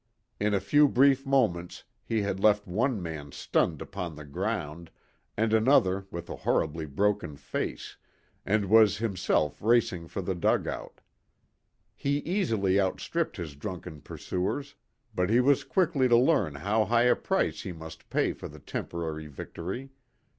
In a few brief moments he had left one man stunned upon the ground and another with a horribly broken face, and was himself racing for the dugout. He easily outstripped his drunken pursuers, but he was quickly to learn how high a price he must pay for the temporary victory.